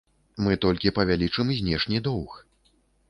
Мы толькі павялічым знешні доўг.